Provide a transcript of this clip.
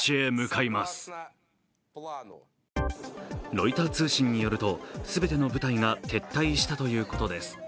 ロイター通信によると全ての部隊が撤退したということです。